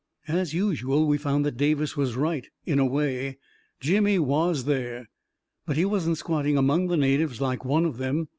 As usual, we found that Davis was right, in a way. Jimmy was there. But he wasn't squatting among the natives like one of them.